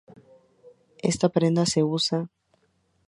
Esta prenda se usaː